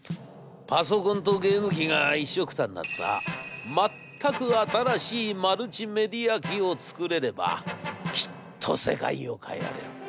『パソコンとゲーム機がいっしょくたになった全く新しいマルチメディア機を作れればきっと世界を変えられる。